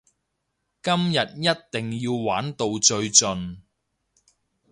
今日一定要玩到最盡！